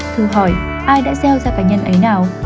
thư hỏi ai đã gieo ra cá nhân ấy nào